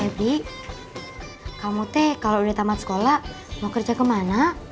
epi kamu teh kalau udah tamat sekolah mau kerja kemana